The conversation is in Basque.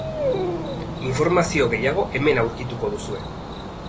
Informazio gehiago hemen aurkituko duzue.